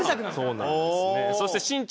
そうなんですね。